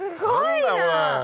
何だこれ。